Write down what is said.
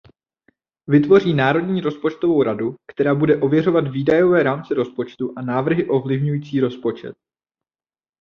Vytvoří Národní rozpočtovou radu, která bude ověřovat výdajové rámce rozpočtu a návrhy ovlivňující rozpočet.